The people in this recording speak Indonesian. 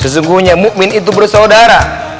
sesebukunya mu'min itu bersaudara